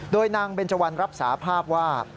โดยนางเบนเจวันรับสาภาพว่า